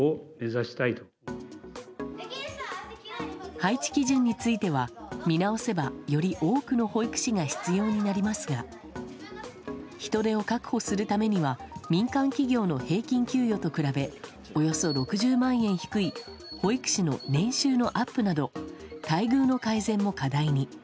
配置基準については見直せば、より多くの保育士が必要になりますが人手を確保するためには民間企業の平均給与と比べおよそ６０万円低い保育士の年収のアップなど待遇の改善も課題に。